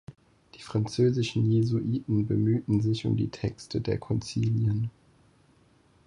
Die französischen Jesuiten bemühten sich um die Texte der Konzilien.